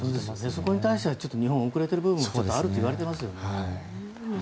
そこに対しては日本遅れている部分があるといわれていますよね。